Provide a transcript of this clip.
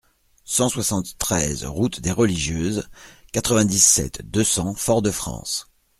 cent soixante-treize route des Religieuses, quatre-vingt-dix-sept, deux cents, Fort-de-France